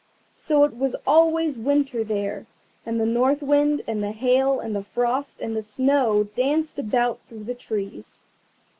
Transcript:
So it was always Winter there, and the North Wind, and the Hail, and the Frost, and the Snow danced about through the trees.